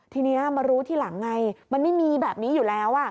ทีนี้มารู้ทีหลังไงมันไม่มีแบบนี้อยู่แล้ว